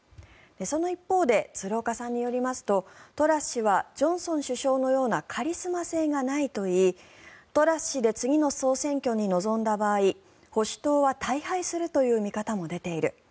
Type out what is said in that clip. その一方で鶴岡さんによりますとトラス氏はジョンソン首相のようなカリスマ性がないといいトラス氏で次の総選挙に臨んだ場合保守党は大敗するという見方も出ている。